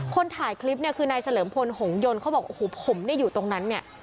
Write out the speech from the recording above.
คนถ่ายคลิปเนี่ยคือนายเฉลิมพลหงยนต์เขาบอกโอ้โหผมเนี่ยอยู่ตรงนั้นเนี่ย